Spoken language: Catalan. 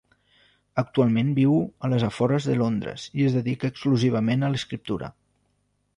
Actualment viu als afores de Londres i es dedica exclusivament a l'escriptura.